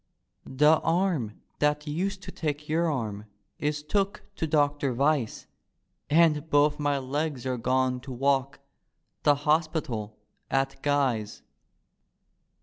" The arm diat used to take your arm Is took to Doctor Vyse; And both my legs are gone to walk The hospital at Guy's.